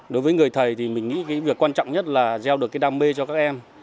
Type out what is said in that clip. đối với người thầy thì mình nghĩ việc quan trọng nhất là gieo được đam mê cho các em